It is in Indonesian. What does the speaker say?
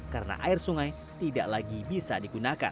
karena air sungai tidak lagi bisa digunakan